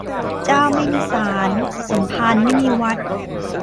เจ้าไม่มีศาล สมภารไม่มีวัด